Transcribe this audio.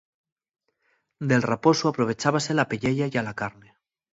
Del raposu aprovechábase la pelleya ya la carne.